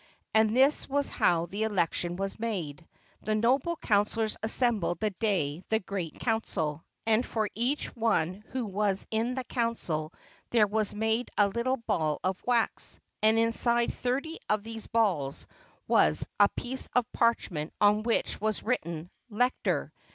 And this was how the election was made: The noble councilors assembled that day the Great Council; and for each one who was in the council there was made a little ball of wax, and inside thirty of these balls was a piece of parchment on which was written "Lector."